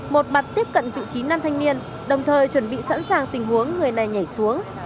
một mặt tiếp cận vị trí nam thanh niên đồng thời chuẩn bị sẵn sàng tình huống người này nhảy xuống